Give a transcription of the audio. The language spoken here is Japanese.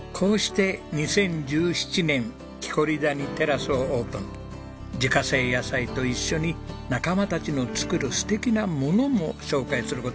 こうして自家製野菜と一緒に仲間たちの作る素敵なものも紹介する事にしたんです。